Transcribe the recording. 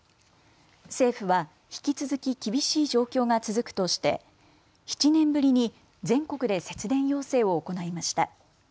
政府は引き続き厳しい状況が続くとして７年ぶりに全国で節電要請を行いました。